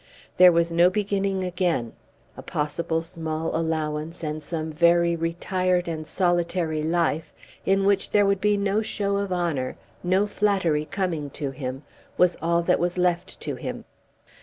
There was no beginning again. A possible small allowance and some very retired and solitary life, in which there would be no show of honour, no flattery coming to him, was all that was left to him.